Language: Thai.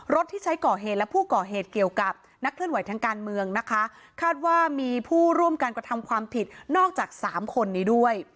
ที่ใช้ก่อเหตุและผู้ก่อเหตุเกี่ยวกับนักเคลื่อนไหวทางการเมืองนะคะคาดว่ามีผู้ร่วมการกระทำความผิดนอกจากสามคนนี้ด้วย